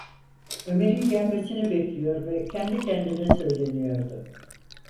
Ömer’in gelmesini bekliyor ve kendi kendine söyleniyordu.